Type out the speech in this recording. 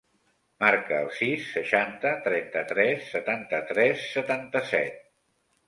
Marca el sis, seixanta, trenta-tres, setanta-tres, setanta-set.